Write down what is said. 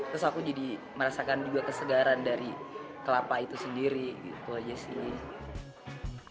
terus aku jadi merasakan juga kesegaran dari kelapa itu sendiri gitu aja sih